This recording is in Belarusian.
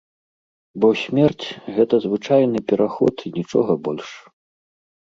Бо смерць, гэта звычайны пераход і нічога больш.